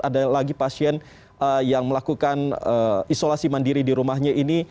ada lagi pasien yang melakukan isolasi mandiri di rumahnya ini